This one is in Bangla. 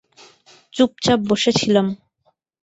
চুপচাপ বসে ছিলাম।